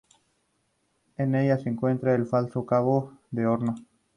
En ella se encuentra el falso Cabo de Hornos.